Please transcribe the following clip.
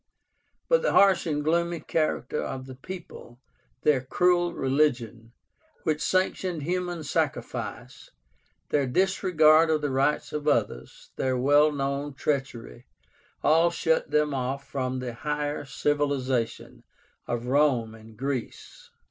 But the harsh and gloomy character of the people, their cruel religion, which sanctioned human sacrifice, their disregard of the rights of others, their well known treachery, all shut them off from the higher civilization of Rome and Greece.